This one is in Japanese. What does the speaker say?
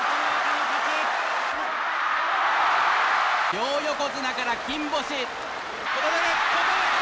両横綱から金星。